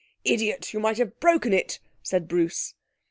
'Idiot! You might have broken it!' said Bruce.